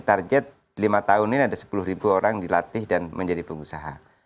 target lima tahun ini ada sepuluh ribu orang dilatih dan menjadi pengusaha